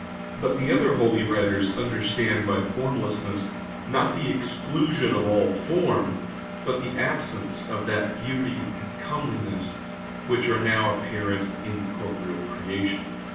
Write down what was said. But the other holy writers understand by formlessness, not the exclusion of all form, but the absence of that beauty and comeliness which are now apparent in the corporeal creation.